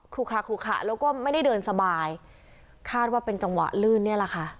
ลูกค้าคลุขะแล้วก็ไม่ได้เดินสบายคาดว่าเป็นจังหวะลื่นเนี่ยแหละค่ะ